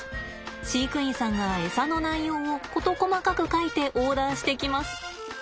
飼育員さんがエサの内容を事細かく書いてオーダーしてきます。